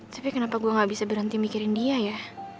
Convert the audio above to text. tapi kenapa gue gak bisa berhenti mikirin dia ya